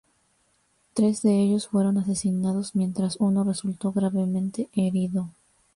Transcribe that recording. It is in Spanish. Tres de ellos fueron asesinados mientras uno resultó gravemente herido.